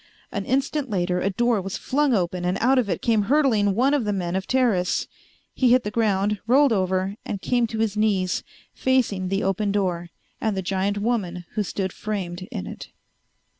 An instant later a door was flung open and out of it came hurtling one of the men of Teris. He hit the ground, rolled over, and came to his knees facing the open door and the giant woman who stood framed in it.